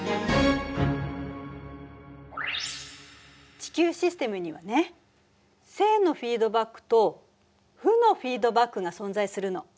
地球システムにはね正のフィードバックと負のフィードバックが存在するの。